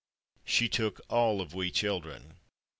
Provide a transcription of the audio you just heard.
She took all of /we/ children.